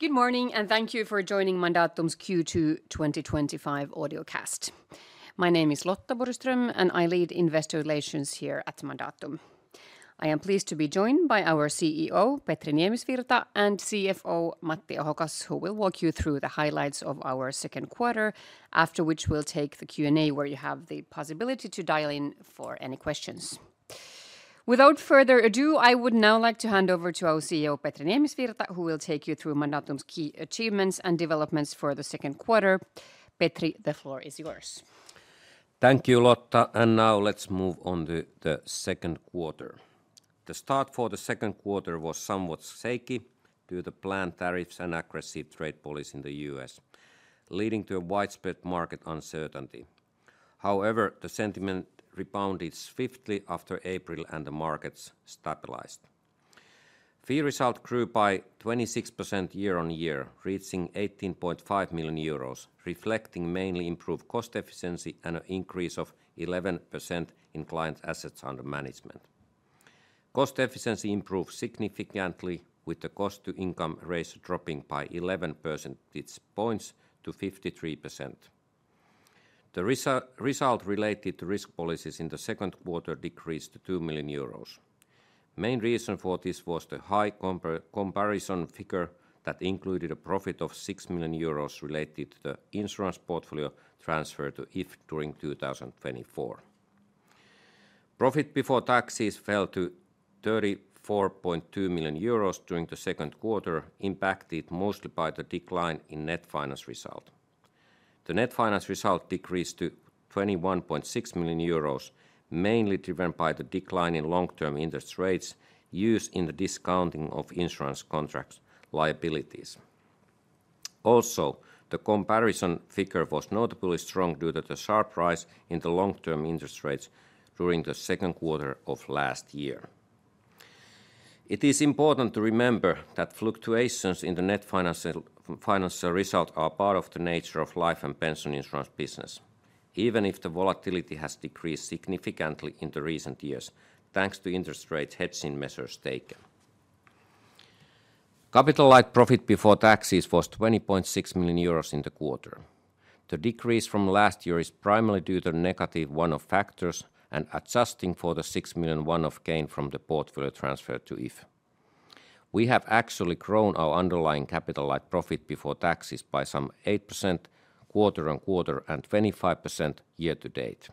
Good morning and thank you for joining Mandatum's Q2 2025 Audiocast. My name is Lotta Borgström and I lead investor relations here at Mandatum. I am pleased to be joined by our CEO, Petri Niemisvirta, and CFO, Matti Ahokas, who will walk you through the highlights of our second quarter, after which we'll take the Q&A where you have the possibility to dial in for any questions. Without further ado, I would now like to hand over to our CEO, Petri Niemisvirta, who will take you through Mandatum's key achievements and developments for the second quarter. Petri, the floor is yours. Thank you, Lotta, and now let's move on to the second quarter. The start for the second quarter was somewhat shaky due to planned tariffs and aggressive trade policies in the U.S., leading to a widespread market uncertainty. However, the sentiment rebounded swiftly after April and the markets stabilized. Fee result grew by 26% year on year, reaching 18.5 million euros, reflecting mainly improved cost efficiency and an increase of 11% in client assets under management. Cost efficiency improved significantly, with the cost-to-income ratio dropping by 11 percentage points to 53%. The result related to risk policies in the second quarter decreased to 2 million euros. The main reason for this was the high comparison figure that included a profit of 6 million euros related to the insurance portfolio transferred to IF during 2024. Profit before taxes fell to 34.2 million euros during the second quarter, impacted mostly by the decline in net finance result. The net finance result decreased to 21.6 million euros, mainly driven by the decline in long-term interest rates used in the discounting of insurance contracts liabilities. Also, the comparison figure was notably strong due to the sharp rise in the long-term interest rates during the second quarter of last year. It is important to remember that fluctuations in the net finance result are part of the nature of life and pension insurance business, even if the volatility has decreased significantly in recent years, thanks to interest rate hedging measures taken. Capital light profit before taxes was 20.6 million euros in the quarter. The decrease from last year is primarily due to negative one-off factors and adjusting for the 6 million one-off gain from the portfolio transferred to IF, we have actually grown our underlying capital light profit before taxes by some 8% quarter on quarter and 25% year to date.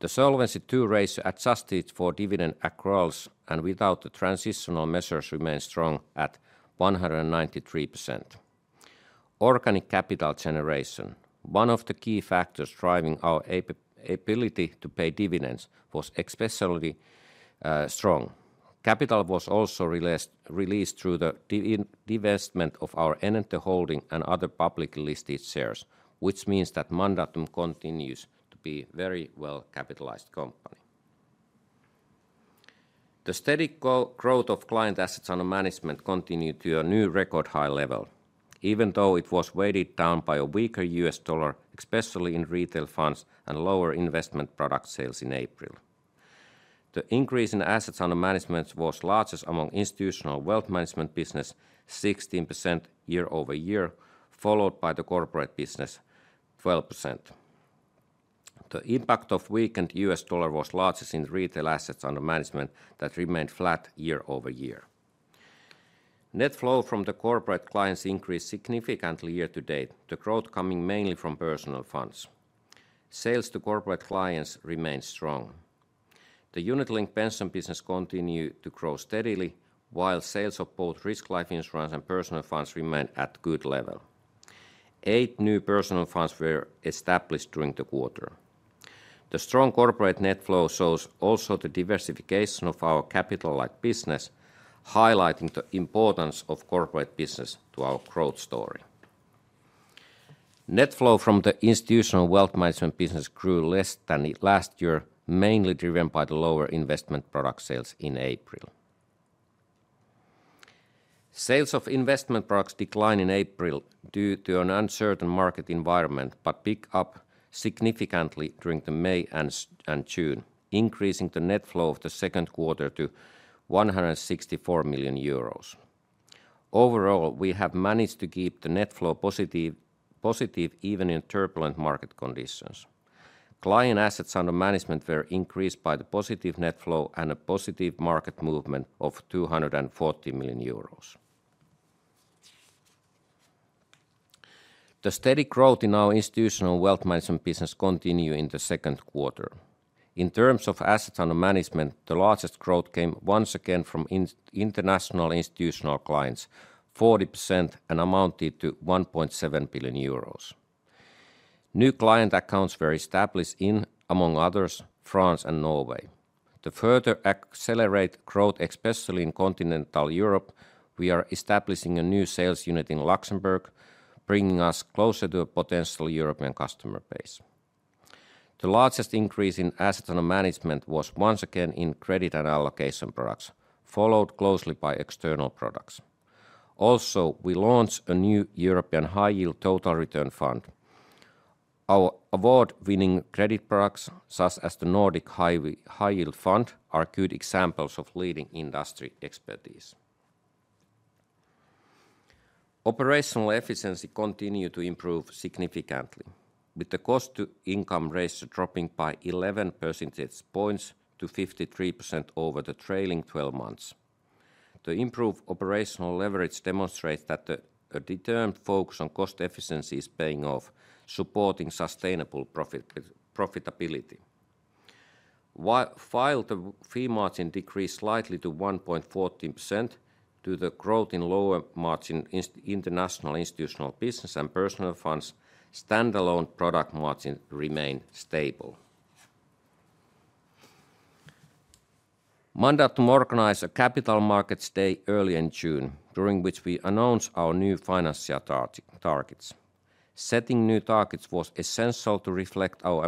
The solvency ratio adjusted for dividend accruals and without the transitional measures remains strong at 193%. Organic capital generation, one of the key factors driving our ability to pay dividends, was especially strong. Capital was also released through the divestment of our NNT holding and other publicly listed shares, which means that Mandatum continues to be a very well-capitalized company. The steady growth of client assets under management continued to a new record high level, even though it was weighted down by a weaker U.S. dollar, especially in retail funds and lower investment product sales in April. The increase in assets under management was largest among institutional wealth management business, 16% year-over-year, followed by the corporate business, 12%. The impact of weakened U.S. dollar was largest in retail assets under management that remained flat year-over-year. Net flow from the corporate clients increased significantly year to date, the growth coming mainly from personal funds. Sales to corporate clients remain strong. The unit-linked pension business continued to grow steadily, while sales of both risk-life insurance and personal funds remain at a good level. Eight new personal funds were established during the quarter. The strong corporate net flow shows also the diversification of our capital light business, highlighting the importance of corporate business to our growth story. Net flow from the institutional wealth management business grew less than last year, mainly driven by the lower investment product sales in April. Sales of investment products declined in April due to an uncertain market environment but picked up significantly during May and June, increasing the net flow of the second quarter to 164 million euros. Overall, we have managed to keep the net flow positive even in turbulent market conditions. Client assets under management were increased by the positive net flow and a positive market movement of 240 million euros. The steady growth in our institutional wealth management business continued in the second quarter. In terms of assets under management, the largest growth came once again from international institutional clients, 40%, and amounted to 1.7 billion euros. New client accounts were established in, among others, France and Norway. To further accelerate growth, especially in continental Europe, we are establishing a new sales unit in Luxembourg, bringing us closer to a potential European customer base. The largest increase in assets under management was once again in credit and allocation products, followed closely by external products. Also, we launched a new European High Yield Total Return Fund. Our award-winning credit products, such as the Nordic High Yield Fund, are good examples of leading industry expertise. Operational efficiency continued to improve significantly, with the cost-to-income ratio dropping by 11 percentage points to 53% over the trailing 12 months. The improved operational leverage demonstrates that the determined focus on cost efficiency is paying off, supporting sustainable profitability. While the fee margin decreased slightly to 1.14% due to the growth in lower margin international institutional business and personal funds, standalone product margins remain stable. Mandatum organized a capital markets day early in June, during which we announced our new financial targets. Setting new targets was essential to reflect our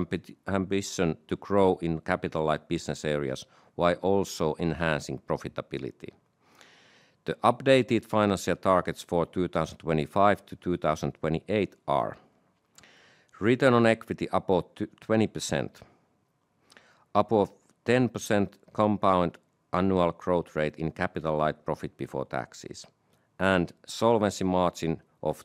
ambition to grow in capital-light business areas while also enhancing profitability. The updated financial targets for 2025-2028 are: return on equity above 20%, above 10% compound annual growth rate in capital-light profit before taxes, and a solvency margin of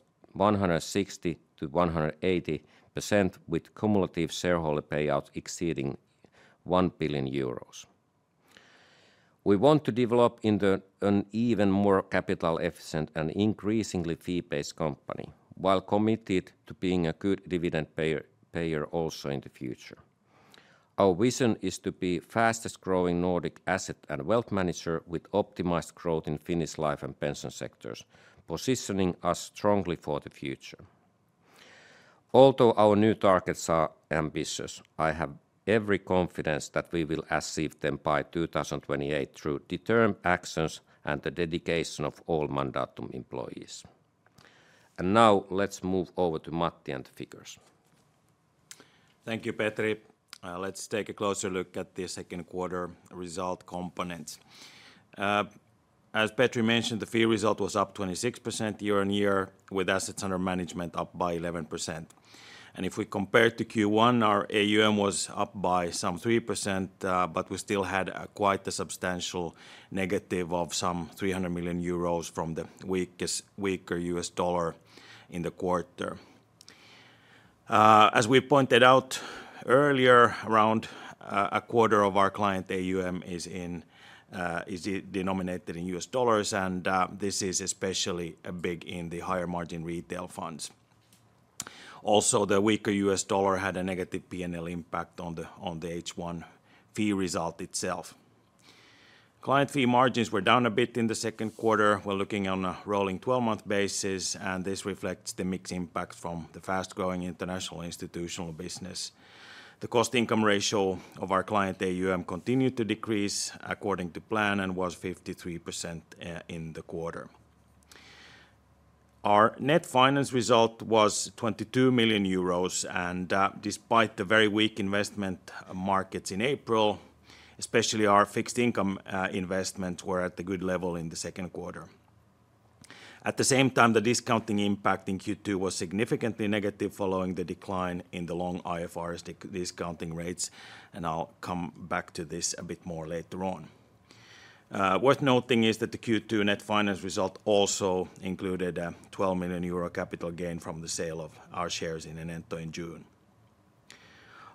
160%-180%, with cumulative shareholder payouts exceeding 1 billion euros. We want to develop into an even more capital-efficient and increasingly fee-based company, while committed to being a good dividend payer also in the future. Our vision is to be the fastest growing Nordic asset and wealth manager with optimized growth in Finnish life and pension sectors, positioning us strongly for the future. Although our new targets are ambitious, I have every confidence that we will achieve them by 2028 through determined actions and the dedication of all Mandatum employees. Now, let's move over to Matti and the figures. Thank you, Petri. Let's take a closer look at the second quarter result component. As Petri mentioned, the fee result was up 26% year on year, with assets under management up by 11%. If we compare to Q1, our AUM was up by some 3%, but we still had quite a substantial negative of some 300 million euros from the weaker U.S. dollar in the quarter. As we pointed out earlier, around a quarter of our client AUM is denominated in U.S. dollars, and this is especially big in the higher margin retail funds. The weaker U.S. dollar had a negative P&L impact on the H1 fee result itself. Client fee margins were down a bit in the second quarter. We're looking on a rolling 12-month basis, and this reflects the mixed impacts from the fast-growing international institutional business. The cost-to-income ratio of our client AUM continued to decrease according to plan and was 53% in the quarter. Our net finance result was 22 million euros, and despite the very weak investment markets in April, especially our fixed income investments were at a good level in the second quarter. At the same time, the discounting impact in Q2 was significantly negative following the decline in the long IFRS discounting rates, and I'll come back to this a bit more later on. Worth noting is that the Q2 net finance result also included a 12 million euro capital gain from the sale of our shares in NNT in June.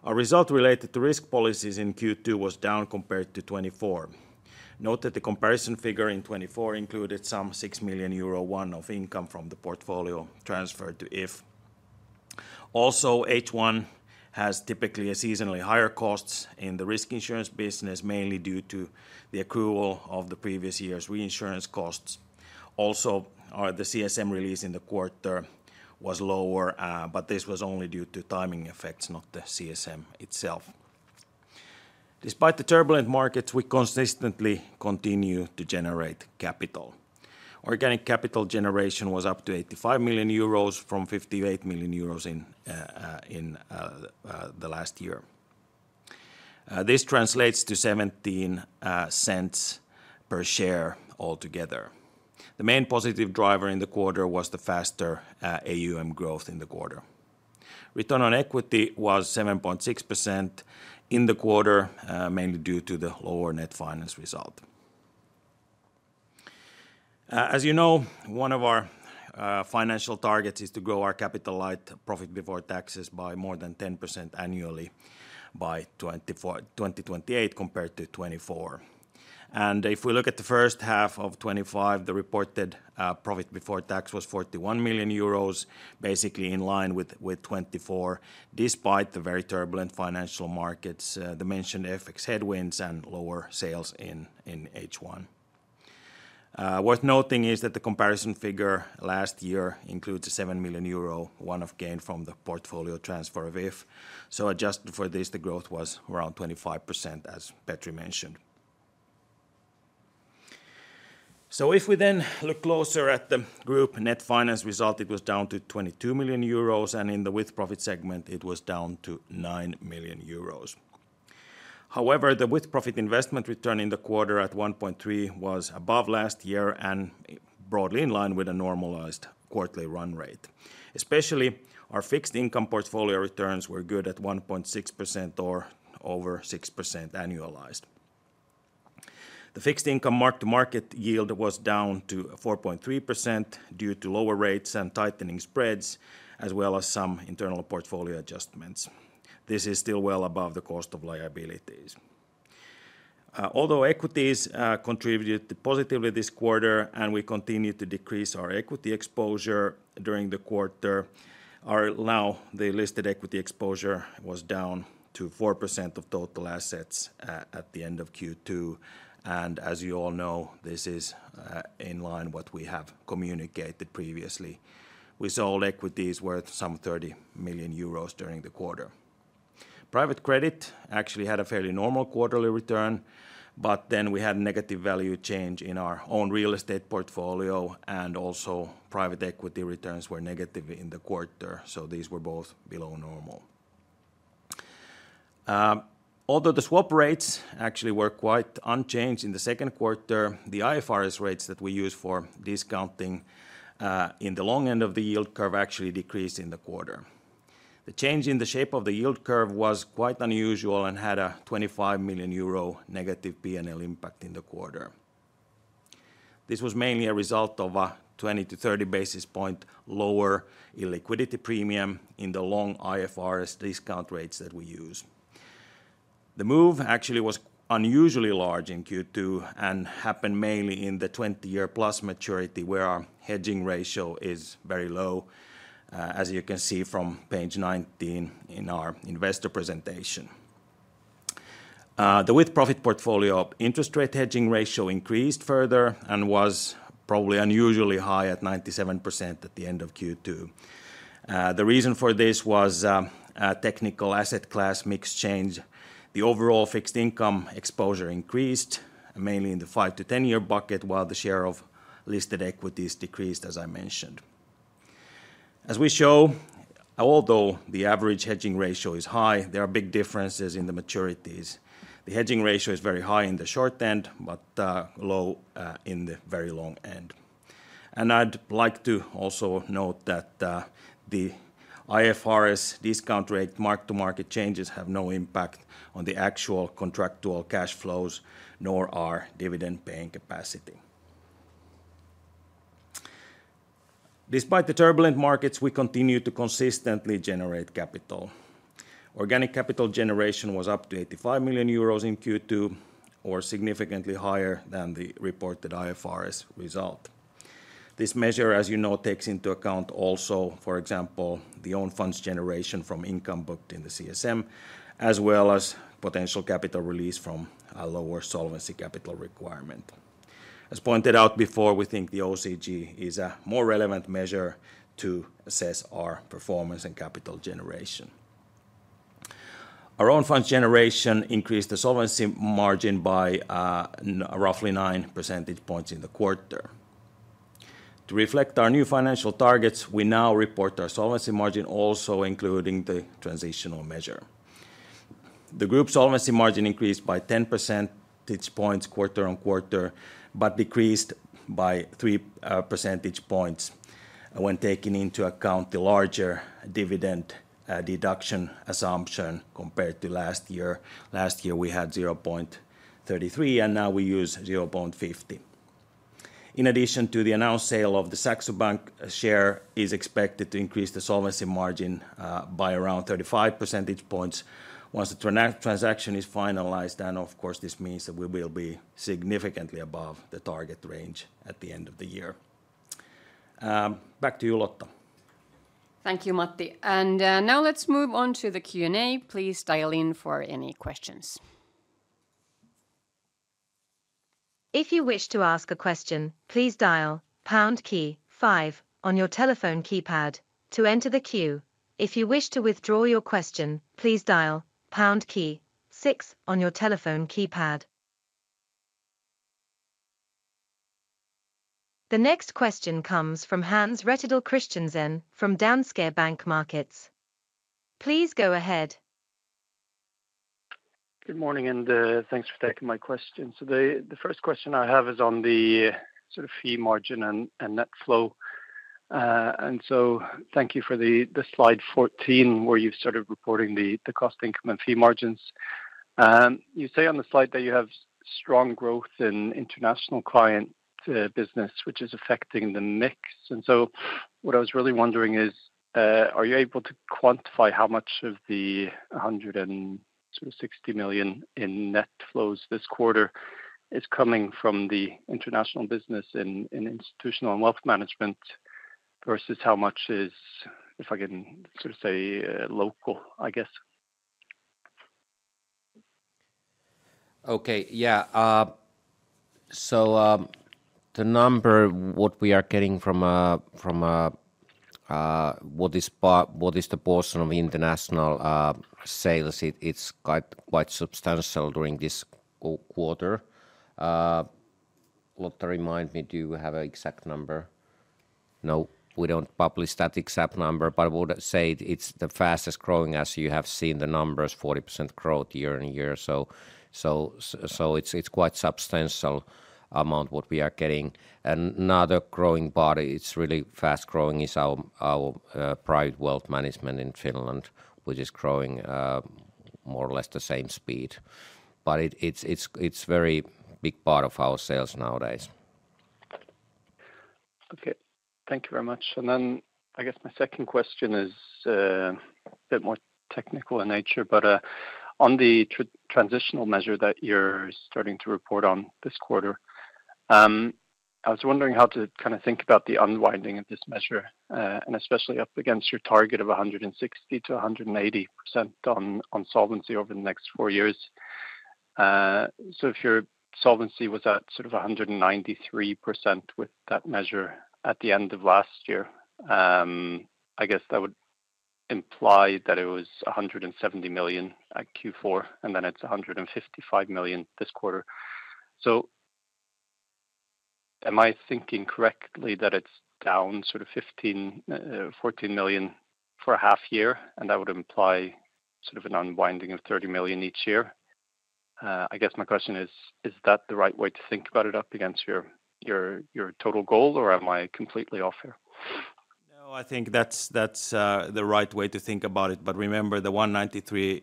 Our result related to risk policies in Q2 was down compared to 2024. Note that the comparison figure in 2024 included some 6 million euro one-off income from the portfolio transferred to IF. H1 has typically seasonally higher costs in the risk insurance business, mainly due to the accrual of the previous year's reinsurance costs. The CSM release in the quarter was lower, but this was only due to timing effects, not the CSM itself. Despite the turbulent markets, we consistently continue to generate capital. Organic capital generation was up to 85 million euros from 58 million euros in the last year. This translates to 0.17 per share altogether. The main positive driver in the quarter was the faster AUM growth in the quarter. Return on equity was 7.6% in the quarter, mainly due to the lower net finance result. As you know, one of our financial targets is to grow our capital light profit before taxes by more than 10% annually by 2028 compared to 2024. If we look at the first half of 2025, the reported profit before taxes was 41 million euros, basically in line with 2024, despite the very turbulent financial markets, the mentioned FX headwinds, and lower sales in H1. Worth noting is that the comparison figure last year includes a 7 million euro one-off gain from the portfolio transfer of IF, so adjusted for this, the growth was around 25% as Petri mentioned. If we then look closer at the group net finance result, it was down to 22 million euros, and in the with-profit segment, it was down to 9 million euros. However, the with-profit investment return in the quarter at 1.3% was above last year and broadly in line with a normalized quarterly run rate. Especially, our fixed income portfolio returns were good at 1.6% or over 6% annualized. The fixed income marked to market yield was down to 4.3% due to lower rates and tightening spreads, as well as some internal portfolio adjustments. This is still well above the cost of liabilities. Although equities contributed positively this quarter and we continued to decrease our equity exposure during the quarter, now the listed equity exposure was down to 4% of total assets at the end of Q2. As you all know, this is in line with what we have communicated previously. We sold equities worth some 30 million euros during the quarter. Private credit actually had a fairly normal quarterly return, but then we had a negative value change in our own real estate portfolio, and also private equity returns were negative in the quarter, so these were both below normal. Although the swap rates actually were quite unchanged in the second quarter, the IFRS rates that we use for discounting in the long end of the yield curve actually decreased in the quarter. The change in the shape of the yield curve was quite unusual and had a 25 million euro negative P&L impact in the quarter. This was mainly a result of a 20 basis point-30 basis point lower illiquidity premium in the long IFRS discount rates that we use. The move actually was unusually large in Q2 and happened mainly in the 20+ year maturity where our hedging ratio is very low, as you can see from page 19 in our investor presentation. The with-profit portfolio interest rate hedging ratio increased further and was probably unusually high at 97% at the end of Q2. The reason for this was a technical asset class mix change. The overall fixed income exposure increased, mainly in the 5-10 year bucket, while the share of listed equities decreased, as I mentioned. As we show, although the average hedging ratio is high, there are big differences in the maturities. The hedging ratio is very high in the short end but low in the very long end. I'd like to also note that the IFRS discount rate marked to market changes have no impact on the actual contractual cash flows nor our dividend paying capacity. Despite the turbulent markets, we continue to consistently generate capital. Organic capital generation was up to 85 million euros in Q2, or significantly higher than the reported IFRS result. This measure, as you know, takes into account also, for example, the own funds generation from income booked in the CSM, as well as potential capital release from a lower solvency capital requirement. As pointed out before, we think the OCG is a more relevant measure to assess our performance and capital generation. Our own funds generation increased the solvency margin by roughly 9% in the quarter. To reflect our new financial targets, we now report our solvency margin also including the transitional measure. The group solvency margin increased by 10% quarter on quarter but decreased by 3% when taking into account the larger dividend deduction assumption compared to last year. Last year, we had 0.33x, and now we use 0.50x. In addition to the announced sale of the Saxo Bank share, it is expected to increase the solvency margin by around 35% once the transaction is finalized. This means that we will be significantly above the target range at the end of the year. Back to you, Lotta. Thank you, Matti. Now let's move on to the Q&A. Please dial in for any questions. If you wish to ask a question, please dial pound key five on your telephone keypad to enter the queue. If you wish to withdraw your question, please dial pound key six on your telephone keypad. The next question comes from Hans Rettedal Christiansen from Danske Bank Markets. Please go ahead. Good morning and thanks for taking my question. The first question I have is on the sort of fee margin and net flow. Thank you for the slide 14 where you've started reporting the cost-to-income and fee margins. You say on the slide that you have strong growth in international client business, which is affecting the mix. What I was really wondering is, are you able to quantify how much of the 160 million in net flows this quarter is coming from the international business in institutional and wealth management versus how much is, if I can sort of say, local, I guess? Okay, yeah. The number what we are getting from what is the portion of international sales, it's quite substantial during this quarter. Lotta, remind me, do you have an exact number? No, we don't publish that exact number, but I would say it's the fastest growing as you have seen the numbers, 40% growth year on year. It's quite a substantial amount what we are getting. Another growing body, it's really fast growing, is our private wealth management in Finland, which is growing more or less the same speed. It's a very big part of our sales nowadays. Okay, thank you very much. I guess my second question is a bit more technical in nature, but on the transitional measure that you're starting to report on this quarter, I was wondering how to kind of think about the unwinding of this measure, especially up against your target of 160%-180% on solvency over the next four years. If your solvency was at sort of 193% with that measure at the end of last year, I guess that would imply that it was 170 million at Q4, and then it's 155 million this quarter. Am I thinking correctly that it's down sort of 14 million for a half year? That would imply sort of an unwinding of 30 million each year. I guess my question is, is that the right way to think about it up against your total goal, or am I completely off here? No, I think that's the right way to think about it. Remember, the 193%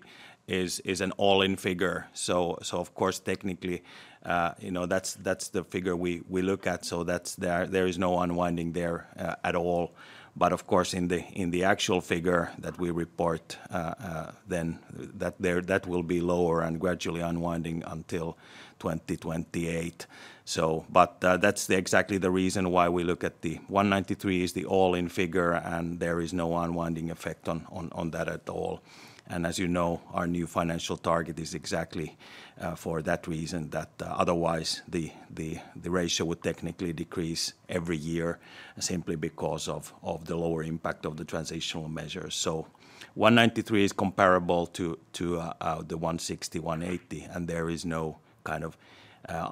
is an all-in figure. Of course, technically, that's the figure we look at. There is no unwinding there at all. In the actual figure that we report, that will be lower and gradually unwinding until 2028. That's exactly the reason why we look at the 193% as the all-in figure, and there is no unwinding effect on that at all. As you know, our new financial target is exactly for that reason, that otherwise the ratio would technically decrease every year simply because of the lower impact of the transitional measures. The 193% is comparable to the 160%-180%, and there is no kind of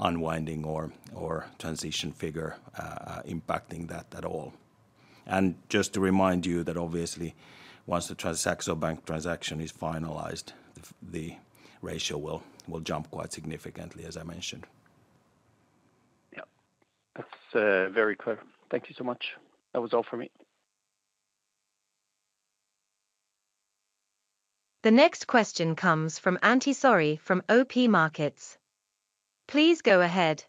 unwinding or transition figure impacting that at all. Just to remind you, once the Saxo Bank transaction is finalized, the ratio will jump quite significantly, as I mentioned. Yeah, that's very clear. Thank you so much. That was all from me. The next question comes from Antti Saari from OP Markets. Please go ahead.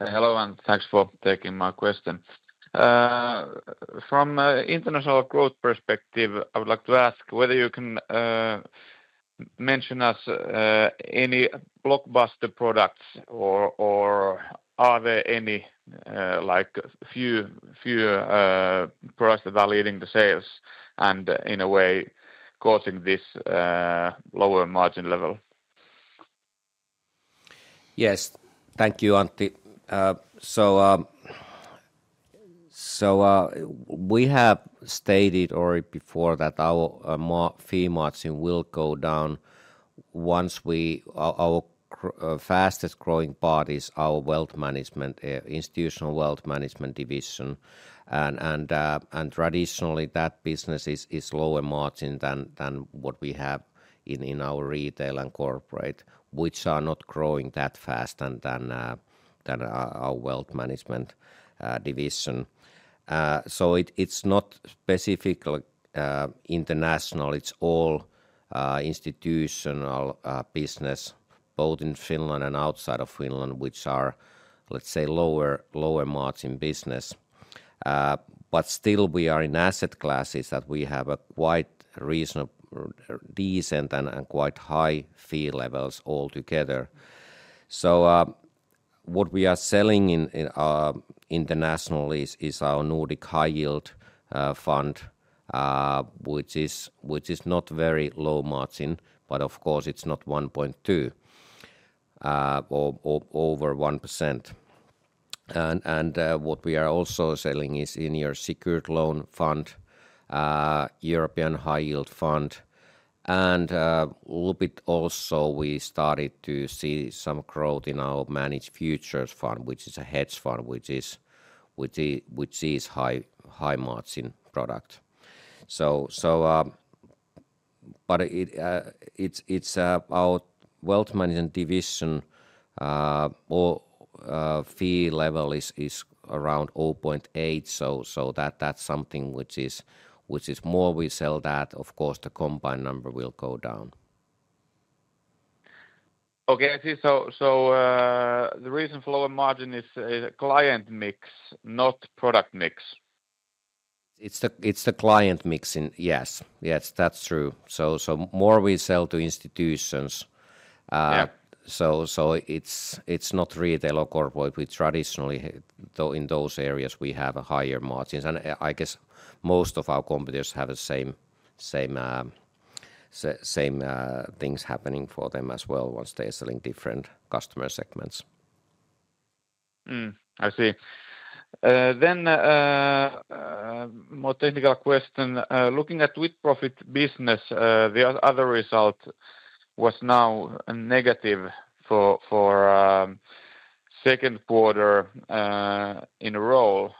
Hello, and thanks for taking my question. From an international growth perspective, I would like to ask whether you can mention us any blockbuster products, or are there any few products that are leading to sales and in a way causing this lower margin level? Yes, thank you, Antti. We have stated already before that our fee margin will go down once our fastest growing body is our wealth management, institutional wealth management division. Traditionally, that business is lower margin than what we have in our retail and corporate, which are not growing that fast than our wealth management division. It's not specifically international. It's all institutional business, both in Finland and outside of Finland, which are, let's say, lower margin business. Still, we are in asset classes that we have quite reasonable, decent, and quite high fee levels altogether. What we are selling internationally is our Nordic High Yield Fund, which is not very low margin, but of course, it's not 1.2% or over 1%. What we are also selling is in your secured loan fund, European High Yield Fund. A little bit also, we started to see some growth in our managed futures fund, which is a hedge fund, which is a high margin product. Our wealth management division fee level is around 0.8%, so that's something which is more we sell that, of course, the combined number will go down. I see. The reason for lower margin is client mix, not product mix? It's the client mixing, yes. Yes, that's true. The more we sell to institutions, it's not retail or corporate. We traditionally, though in those areas, have a higher margin. I guess most of our competitors have the same things happening for them as well once they're selling different customer segments. I see. A more technical question: looking at the with-profit business, the other result was now negative for the second quarter in a row.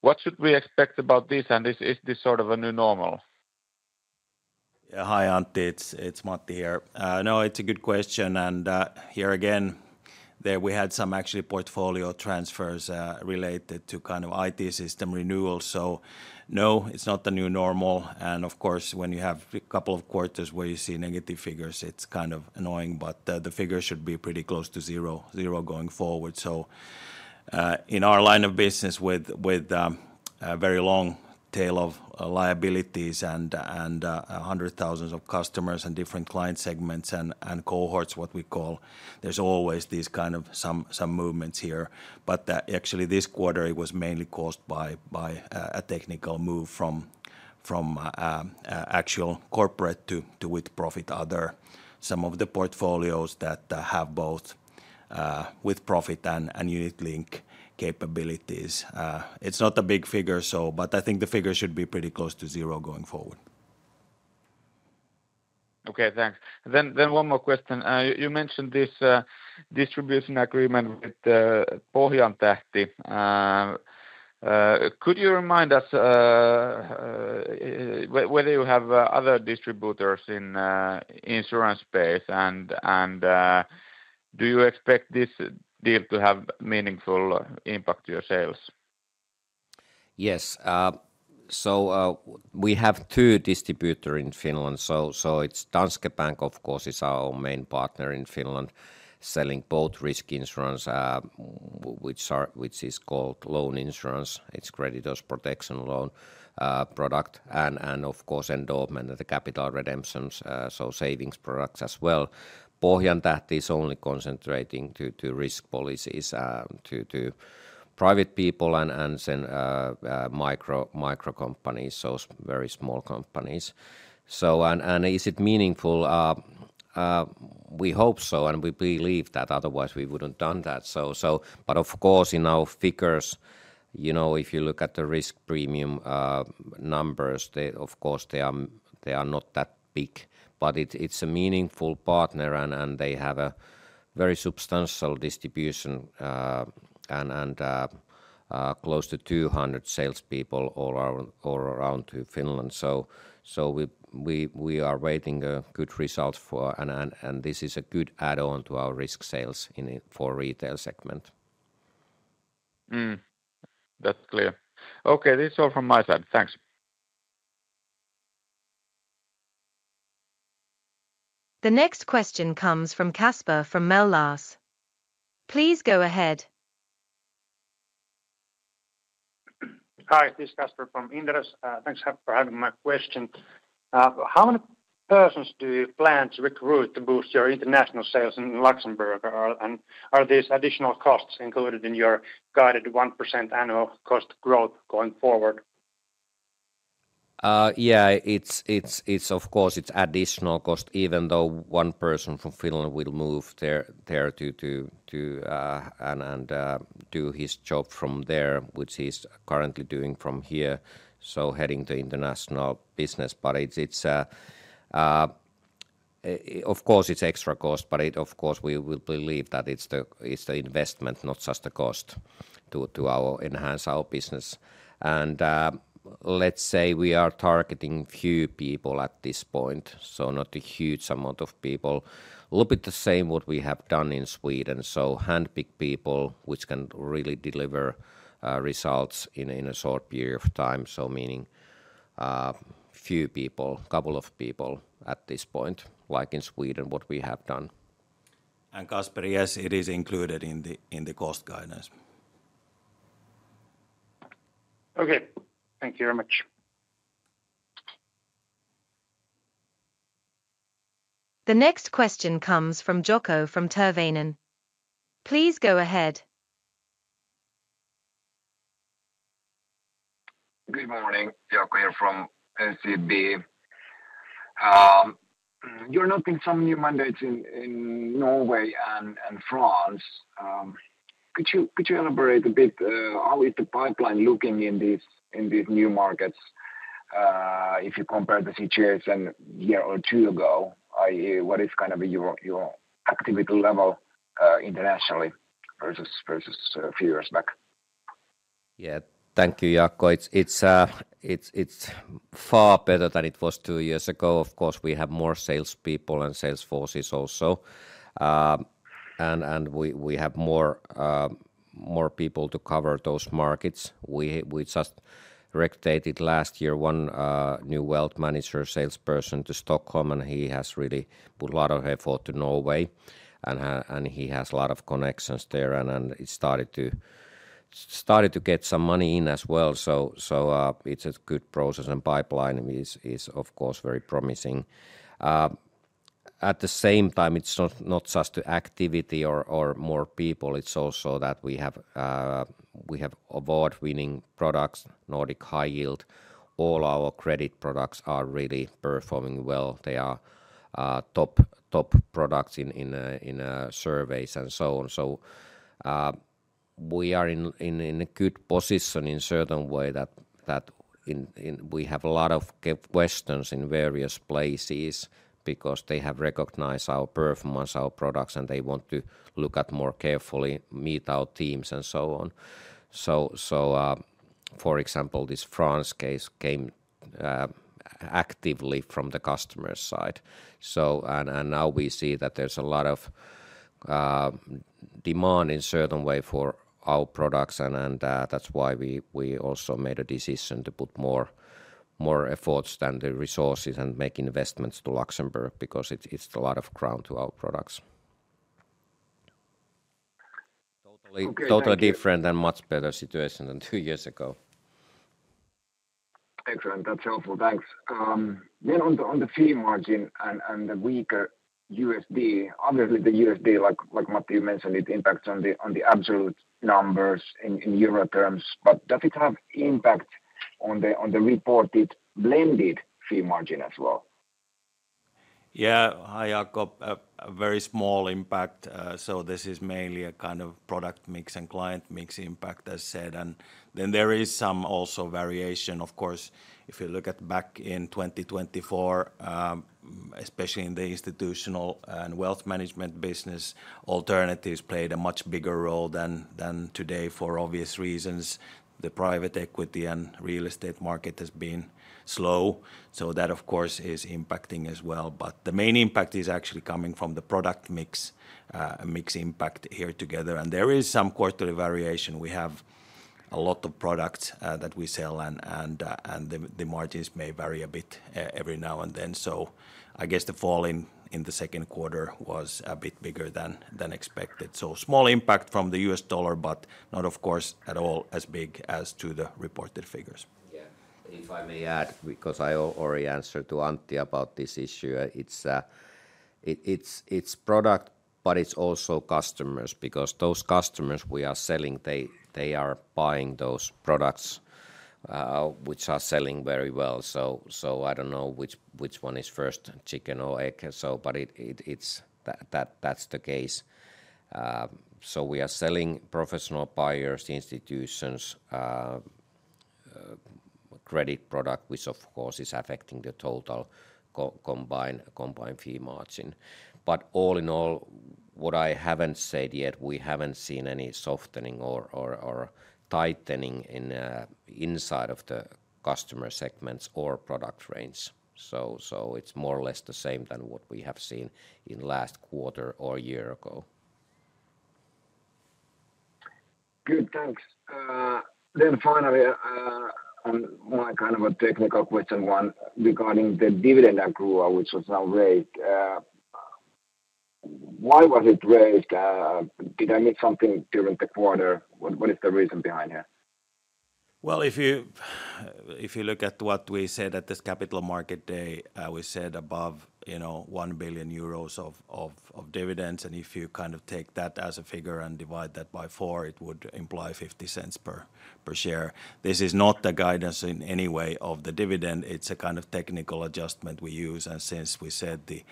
What should we expect about this? Is this sort of a new normal? Yeah, hi, Antti. It's Matti here. It's a good question. Here again, we had some portfolio transfers related to kind of IT system renewals. No, it's not the new normal. Of course, when you have a couple of quarters where you see negative figures, it's kind of annoying, but the figures should be pretty close to zero going forward. In our line of business with a very long tail of liabilities and hundreds of thousands of customers and different client segments and cohorts, what we call, there's always these kind of some movements here. Actually, this quarter, it was mainly caused by a technical move from actual corporate to with-profit other, some of the portfolios that have both with-profit and unit-linked capabilities. It's not a big figure, but I think the figure should be pretty close to zero going forward. Okay, thanks. One more question. You mentioned this distribution agreement with Pohjantähti. Could you remind us whether you have other distributors in the insurance space, and do you expect this deal to have a meaningful impact to your sales? Yes. We have two distributors in Finland. Danske Bank, of course, is our main partner in Finland, selling both risk insurance, which is called loan insurance. It's a creditors' protection loan product. Of course, endowment of the capital redemptions, so savings products as well. Pohjantähti is only concentrating on risk policies to private people and micro companies, so very small companies. Is it meaningful? We hope so, and we believe that. Otherwise, we wouldn't have done that. In our figures, if you look at the risk premium numbers, they are not that big. It's a meaningful partner, and they have a very substantial distribution and close to 200 salespeople all around Finland. We are waiting for a good result, and this is a good add-on to our risk sales in the retail segment. That's clear. Okay, this is all from my side. Thanks. The next question comes from Kasper from Mellas. Please go ahead. Hi, this is Kasper from Inderes. Thanks for having my question. How many persons do you plan to recruit to boost your international sales in Luxembourg? Are these additional costs included in your guided 1% annual cost growth going forward? Yeah, it's, of course, it's additional cost, even though one person from Finland will move there to do his job from there, which he's currently doing from here, so heading to international business. It's, of course, extra cost, but we believe that it's the investment, not just the cost, to enhance our business. Let's say we are targeting few people at this point, so not a huge amount of people. A little bit the same as what we have done in Sweden, so handpicked people who can really deliver results in a short period of time, meaning few people, a couple of people at this point, like in Sweden, what we have done. Kasper, yes, it is included in the cost guidance. Okay, thank you very much. The next question comes from Jukka from Tevenon. Please go ahead. Thanks, I'm Jukka from SEB. You're not in some new mandates in Norway and France. Could you elaborate a bit how is the pipeline looking in these new markets if you compare the situation a year or two ago? What is kind of your typical level internationally versus a few years back? Yeah, thank you, Jukka. It's far better than it was two years ago. Of course, we have more salespeople and sales forces also. We have more people to cover those markets. We just rotated last year one new wealth manager salesperson to Stockholm, and he has really put a lot of effort to Norway. He has a lot of connections there, and it started to get some money in as well. It's a good process, and the pipeline is, of course, very promising. At the same time, it's not just the activity or more people. It's also that we have award-winning products, Nordic High Yield. All our credit products are really performing well. They are top products in surveys and so on. We are in a good position in a certain way that we have a lot of questions in various places because they have recognized our performance, our products, and they want to look at more carefully, meet our teams, and so on. For example, this France case came actively from the customer side. Now we see that there's a lot of demand in a certain way for our products, and that's why we also made a decision to put more efforts and the resources and make investments to Luxembourg because it's a lot of ground to our products. Totally different and much better situation than two years ago. Excellent. That's helpful. Thanks. On the fee margin and the weaker USD, obviously the USD, like Matti mentioned, it impacts on the absolute numbers in euro terms, but does it have an impact on the reported blended fee margin as well? Yeah, hi Jukka. A very small impact. This is mainly a kind of product mix and client mix impact, as said. There is also some variation. If you look back in 2024, especially in the institutional and wealth management business, alternatives played a much bigger role than today for obvious reasons. The private equity and real estate market has been slow. That is impacting as well. The main impact is actually coming from the product mix impact here together. There is some quarterly variation. We have a lot of products that we sell, and the margins may vary a bit every now and then. I guess the fall in the second quarter was a bit bigger than expected. Small impact from the U.S. dollar, but not at all as big as to the reported figures. If I may add, because I already answered to Antti about this issue, it's product, but it's also customers because those customers we are selling, they are buying those products which are selling very well. I don't know which one is first, chicken or egg, but that's the case. We are selling professional buyers, institutions, credit product, which of course is affecting the total combined fee margin. All in all, what I haven't said yet, we haven't seen any softening or tightening inside of the customer segments or product range. It is more or less the same than what we have seen in the last quarter or a year ago. Good, thanks. Finally, a kind of a technical question regarding the dividend accrual, which was now raised. Why was it raised? Did I miss something during the quarter? What is the reason behind here? If you look at what we said at this Capital Market Day, we said above, you know, 1 billion euros of dividends. If you kind of take that as a figure and divide that by four, it would imply 0.50 per share. This is not the guidance in any way of the dividend. It's a kind of technical adjustment we use. Since we said the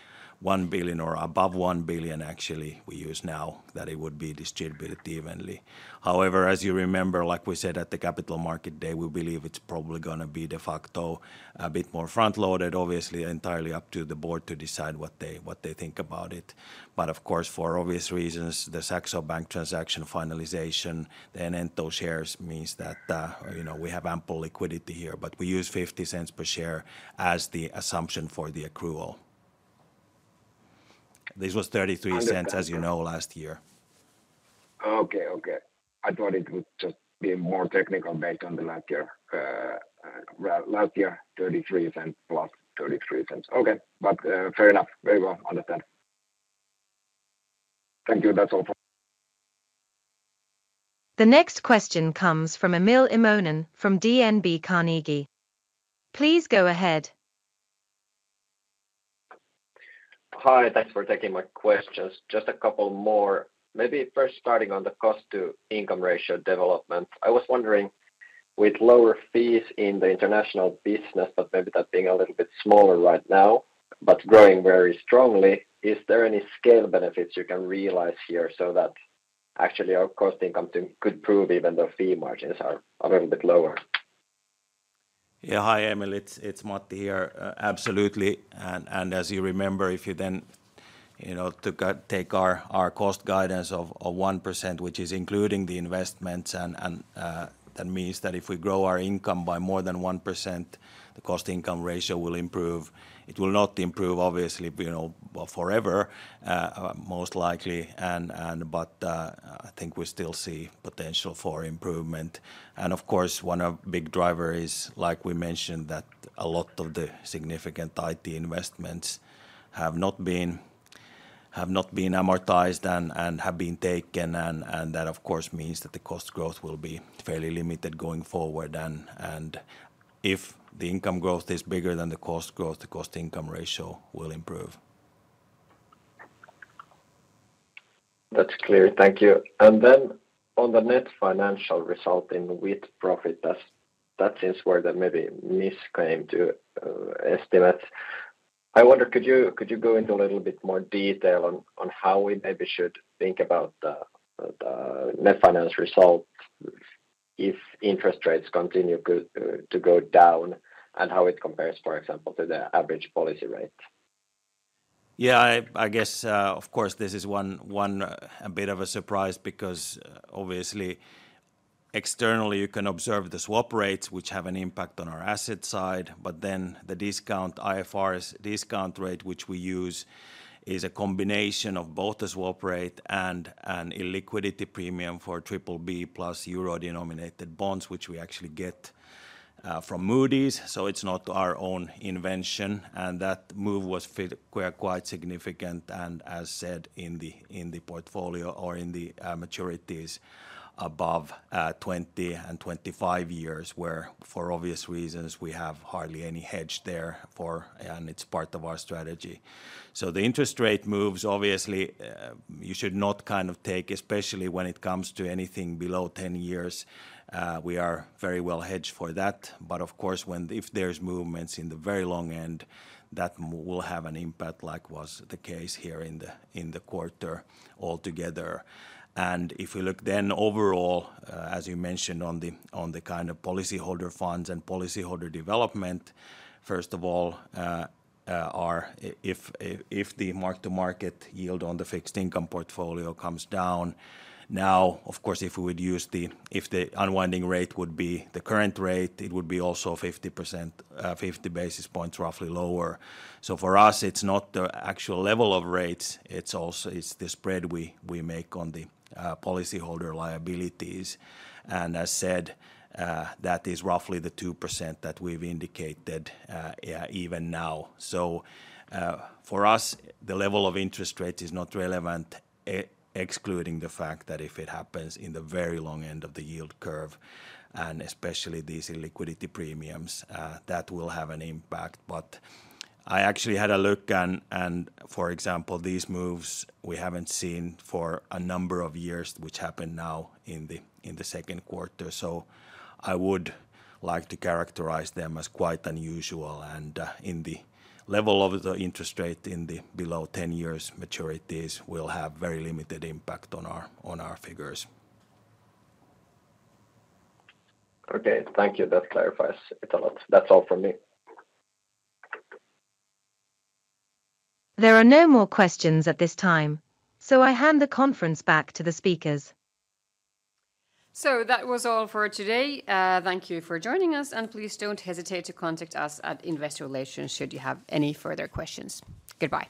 1 billion or above 1 billion, actually, we use now that it would be distributed evenly. However, as you remember, like we said at the Capital Market Day, we believe it's probably going to be de facto a bit more front-loaded, obviously entirely up to the Board to decide what they think about it. Of course, for obvious reasons, the Saxo Bank transaction finalization, the NNT shares means that, you know, we have ample liquidity here, but we use 0.50 per share as the assumption for the accrual. This was 0.33, as you know, last year. Okay. I thought it would just be more technical based on last year. Last year, 0.33+, 0.33. Okay, but fair enough. Very well understood. Thank you. The next question comes from Emil Immonen from DNB Carnegie. Please go ahead. Hi, thanks for taking my questions. Just a couple more. Maybe first starting on the cost-to-income ratio development. I was wondering, with lower fees in the international business, but maybe that being a little bit smaller right now, but growing very strongly, is there any scale benefits you can realize here so that actually our cost-to-income could improve even though fee margins are a little bit lower? Yeah, hi Emil, it's Matti here. Absolutely. If you then take our cost guidance of 1%, which is including the investments, that means that if we grow our income by more than 1%, the cost-to-income ratio will improve. It will not improve, obviously, forever, most likely. I think we still see potential for improvement. Of course, one of the big drivers is, like we mentioned, that a lot of the significant IT investments have not been amortized and have been taken. That, of course, means that the cost growth will be fairly limited going forward. If the income growth is bigger than the cost growth, the cost-to-income ratio will improve. That's clear. Thank you. On the net financial result in the with-profit, that seems where the maybe misclaimed estimates. I wonder, could you go into a little bit more detail on how we maybe should think about the net financial result if interest rates continue to go down and how it compares, for example, to the average policy rate? Yeah, I guess, of course, this is one bit of a surprise because obviously, externally, you can observe the swap rates, which have an impact on our asset side. The IFRS discount rate, which we use, is a combination of both the swap rate and a liquidity premium for BBB+ euro-denominated bonds, which we actually get from Moody's. It's not our own invention. That move was quite significant. As said, in the portfolio or in the maturities above 20 and 25 years, for obvious reasons, we have hardly any hedge there, and it's part of our strategy. The interest rate moves, obviously, you should not kind of take, especially when it comes to anything below 10 years. We are very well hedged for that. Of course, if there's movements in the very long end, that will have an impact, like was the case here in the quarter altogether. If we look then overall, as you mentioned, on the kind of policyholder funds and policyholder development, first of all, if the mark-to-market yield on the fixed income portfolio comes down, if we would use the, if the unwinding rate would be the current rate, it would be also 50 basis points roughly lower. For us, it's not the actual level of rates. It's also the spread we make on the policyholder liabilities. As said, that is roughly the 2% that we've indicated even now. For us, the level of interest rate is not relevant, excluding the fact that if it happens in the very long end of the yield curve, and especially these illiquidity premiums, that will have an impact. I actually had a look, and for example, these moves we haven't seen for a number of years, which happened now in the second quarter. I would like to characterize them as quite unusual. The level of the interest rate in the below 10 years maturities will have very limited impact on our figures. Okay, thank you. That clarifies it a lot. That's all from me. There are no more questions at this time, so I hand the conference back to the speakers. That was all for today. Thank you for joining us, and please don't hesitate to contact us at investor relations should you have any further questions. Goodbye.